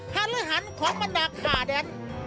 ฮาระหันของมนักฆ่าแดน